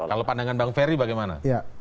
kalau pandangan bang ferry bagaimana